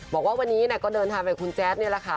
บอกว่าวันนี้ก็เดินทางไปคุณแจ๊ดนี่แหละค่ะ